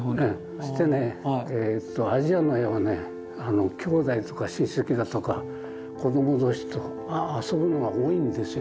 そしてねアジアの絵はねきょうだいとか親戚だとか子ども同士と遊ぶのが多いんですよ。